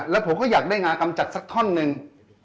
และผมก็อยากได้งานกำจัดทนิดนึง